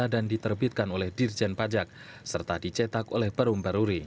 diterbitkan oleh dirjen pajak serta dicetak oleh perum baruri